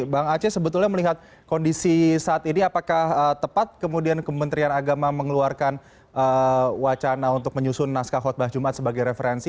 bang aceh sebetulnya melihat kondisi saat ini apakah tepat kemudian kementerian agama mengeluarkan wacana untuk menyusun naskah khutbah jumat sebagai referensi